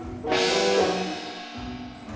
tidak ada masalah